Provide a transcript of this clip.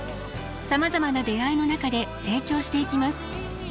さまざまな出会いの中で成長していきます。